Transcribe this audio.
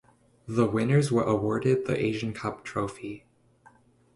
The winners are awarded the Asian Cup trophy.